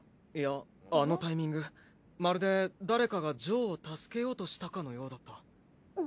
いやあのタイミングまるで誰かがジョーを助けようとしたかのようだった。